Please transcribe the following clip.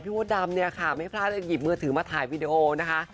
มดดำเนี่ยค่ะไม่พลาดจะหยิบมือถือมาถ่ายวีดีโอนะคะ